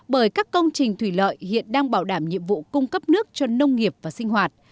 bởi các công trình thủy lợi hiện đang bảo đảm nhiệm vụ cung cấp nước cho nông nghiệp và sinh hoạt